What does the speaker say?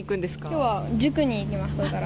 きょうは塾に行きます、これから。